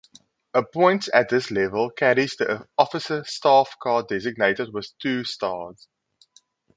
Appoints at this level carries the officer staff car designated with Two stars.